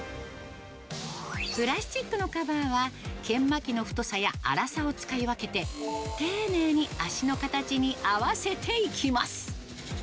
プラスチックのカバーは、研磨機の太さや粗さを使い分けて、丁寧に脚の形に合わせていきます。